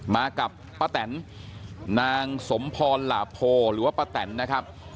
มากับป้าแตนนางสมพรหลาโพหรือว่าป้าแตนนะครับ